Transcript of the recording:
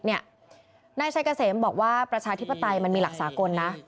น่าจะใช้เกษมบอกว่าประชาธิปตัยมันมีหลักศาลกลนะ